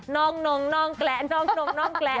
นองนองนองแกละนองนองนองแกละ